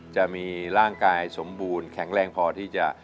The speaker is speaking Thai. จะมีร่างกายสมบูรณ์แข็งแรงพอที่จะ